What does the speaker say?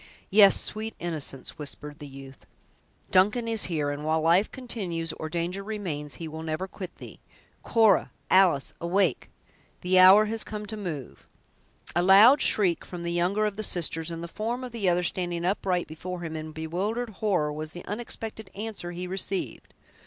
"Yes, sweet innocence," whispered the youth; "Duncan is here, and while life continues or danger remains, he will never quit thee. Cora! Alice! awake! The hour has come to move!" A loud shriek from the younger of the sisters, and the form of the other standing upright before him, in bewildered horror, was the unexpected answer he received.